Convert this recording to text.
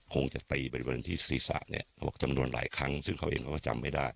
คงจะตีบริเวณที่ศีรษะเนี่ยเขาบอกจำนวนหลายครั้งซึ่งเขาเองเขาก็จำไม่ได้